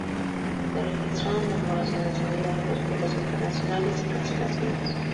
Se registraron demoras en la salida de los vuelos internacionales y cancelaciones.